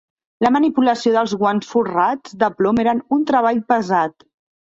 La manipulació dels guants folrats de plom era un treball pesat.